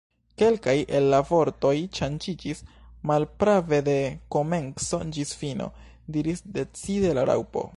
"Kelkaj el la vortoj ŝanĝiĝis." "Malprave, de komenco ĝis fino," diris decide la Raŭpo.